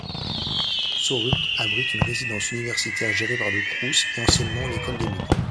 Saurupt abrite une résidence universitaire gérée par le Crous, et anciennement l'École des mines.